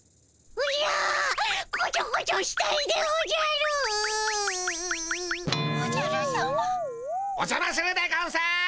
おじゃまするでゴンス。